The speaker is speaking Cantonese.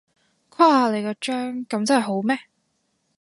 誇你個張，噉真係好咩？